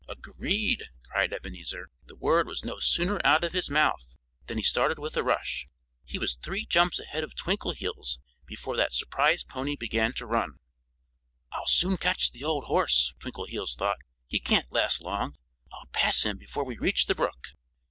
"Agreed!" cried Ebenezer. The word was no sooner out of his mouth than he started with a rush. He was three jumps ahead of Twinkleheels before that surprised pony began to run. "I'll soon catch the old horse," Twinkleheels thought. "He can't last long. I'll pass him before we reach the brook."